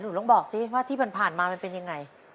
หนูต้องบอกสิที่มันผ่านมามันเป็นอย่างไร